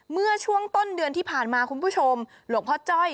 เมื่อช่วงต้นเดือนที่ผ่านมาคุณผู้ชมหลวงพ่อจ้อย